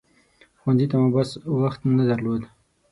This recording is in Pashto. ښوونځي ته مو بس وخت نه درلود.